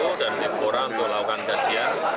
sudah ada yang diperkora untuk melakukan kajian